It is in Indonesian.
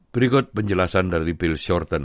berikut penjelasan dari bill shortan